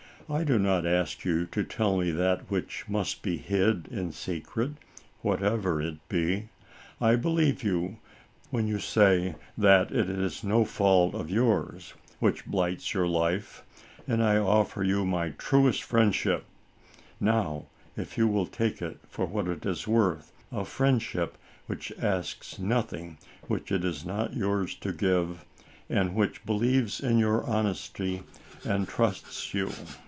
I do not ask you to tell that which must be hid in secret; whatever it be, I believe you, when you say that it is no, fault of yours which blights your life, and I offer you my truest friendship now, if you will take it for what it is worth, a friendship which asks noth ing which it is not your wish to give, and which believes in your honesty and trusts you.